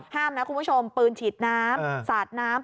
ห้ามนะคุณผู้ชมปืนฉีดน้ำสาดน้ำ